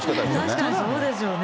確かにそうですよね。